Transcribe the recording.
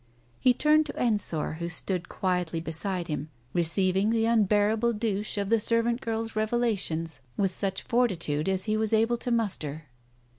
He turned to Ensor who stood quietly beside him, receiving the unbearable douche of the servant girl's revelations with such fortitude as he was able to muster.